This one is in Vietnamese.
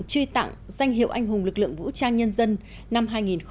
truy tặng danh hiệu anh hùng lực lượng vũ trang nhân dân năm hai nghìn một mươi tám